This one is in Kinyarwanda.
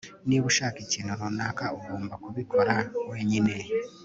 Niba ushaka ikintu runaka ugomba kubikora wenyine